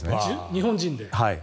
日本人で？